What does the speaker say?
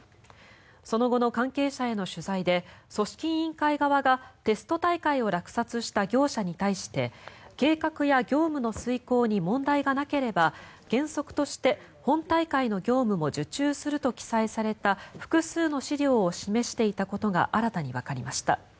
その後の関係者への取材で組織委員会側がテスト大会を落札した業者に対して計画や業務の遂行に問題がなければ原則として本大会の業務も受注すると記載された複数の資料を示していたことが新たにわかりました。